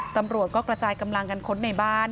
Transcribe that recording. ตำรวจก็กระจายกำลังกันค้นในบ้าน